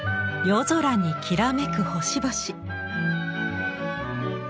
夜空にきらめく星々。